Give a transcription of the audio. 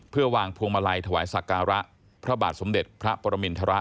เพื่อวางพวงมาลัยถวายสักการะพระบาทสมเด็จพระปรมินทร